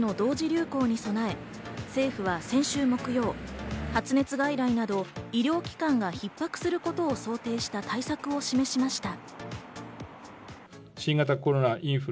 流行に備え、政府は先週木曜、発熱外来など医療機関が逼迫することを想定した対策を示しました。